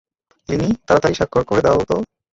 Linyi, তাড়াতাড়ি স্বাক্ষর করে দাওতো।